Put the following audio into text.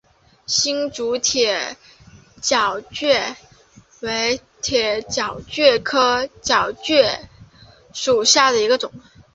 新竹铁角蕨为铁角蕨科铁角蕨属下的一个种。